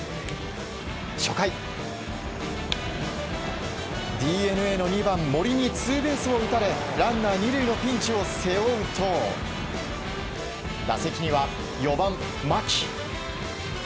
初回、ＤｅＮＡの２番、森にツーベースを打たれランナー２塁のピンチを背負うと打席には４番、牧。